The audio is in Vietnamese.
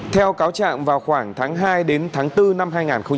theo cáo trạng vào khoảng tháng hai đến tháng bốn năm hai nghìn hai mươi